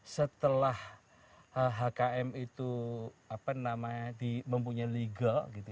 setelah hkm itu mempunyai legal